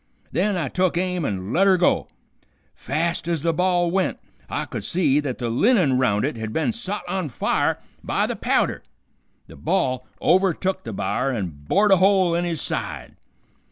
Then I took aim an' let her go. Fast ez the ball went, I could see that the linen round it had been sot on fire by the powder. The ball overtook the b'ar and bored a hole in his side.